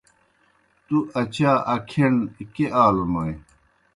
تُوْ اچا اکھیݨ کیْہ آلوْنوئے؟